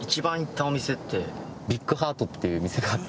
ビッグハートっていう店があって。